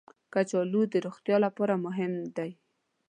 کچالو د روغتیا لپاره مهم دي